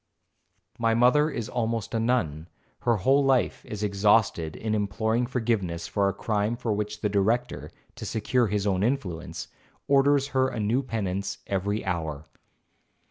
My mother is almost a nun, her whole life is exhausted in imploring forgiveness for a crime for which the Director, to secure his own influence, orders her a new penance every hour.